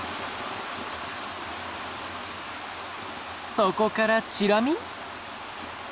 そこからチラ見？